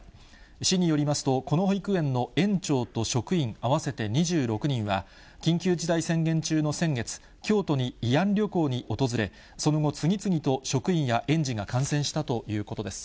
市によりますと、この保育園の園長と職員合わせて２６人は、緊急事態宣言中の先月、京都に慰安旅行に訪れ、その後、次々と職員や園児が感染したということです。